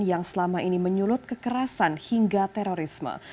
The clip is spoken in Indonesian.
yang selama ini menyulut kekerasan hingga terorisme